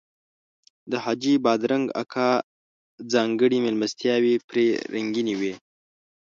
د حاجي بادرنګ اکا ځانګړي میلمستیاوې پرې رنګینې وې.